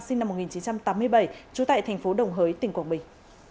sinh năm một nghìn chín trăm tám mươi bảy trú tại thành phố đồng hới tỉnh quảng bình